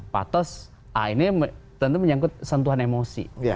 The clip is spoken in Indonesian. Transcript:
patos ini tentu menyangkut sentuhan emosi